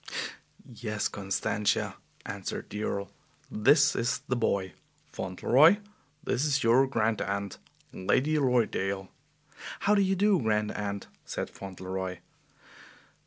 "Yes, Constantia," answered the Earl, "this is the boy. Fauntleroy, this is your grand aunt, Lady Lorridaile." "How do you do, Grand Aunt?" said Fauntleroy.